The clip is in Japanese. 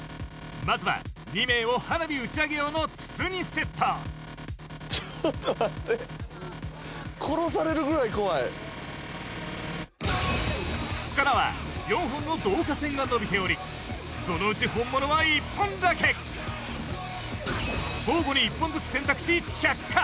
まずは２名を花火打ち上げ用の筒にセットちょっと待って筒からは４本の導火線がのびておりそのうち本物は１本だけ交互に１本ずつ選択し着火！